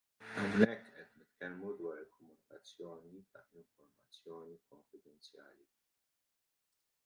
Hawnhekk qed nitkellmu dwar il-komunikazzjoni ta' informazzjoni konfidenzjali.